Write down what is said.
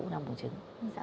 u năng bùng trứng